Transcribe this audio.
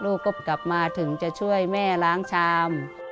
ลูกก็กลับมาถึงจะช่วยแม่ล้างชาม